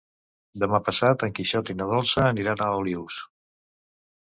Demà passat en Quixot i na Dolça aniran a Olius.